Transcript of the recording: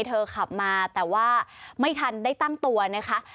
ขับมาแต่ว่าไม่ทันได้ตั้งตัวนะคะ